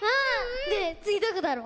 つぎどこだろう？